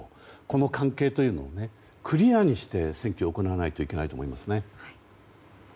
この関係というのはクリアにして選挙を行わないといけないと思いますね。